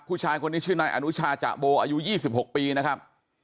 ผู้ชายคนนี้ชื่อนายอนุชาจะโบอายุ๒๖ปีนะครับ